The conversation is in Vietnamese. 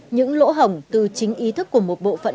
những lỗ hổng từ chính ý thức của một bộ phận